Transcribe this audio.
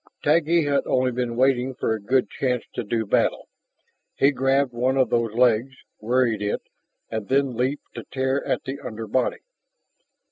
Taggi had only been waiting for a good chance to do battle. He grabbed one of those legs, worried it, and then leaped to tear at the under body.